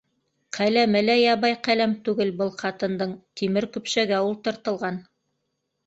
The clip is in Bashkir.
Ҡәләме лә ябай ҡәләм түгел был ҡатындың - тимер көпшәгә ултыртылған.